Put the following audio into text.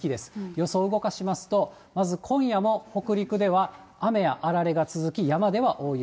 予想を動かしますと、まず今夜も北陸では雨やあられが続き、山では大雪。